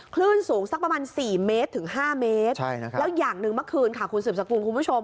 คลื่นสูงสักประมาณ๔เมตรถึง๕เมตรแล้วอย่างหนึ่งเมื่อคืนค่ะคุณสืบสกุลคุณผู้ชม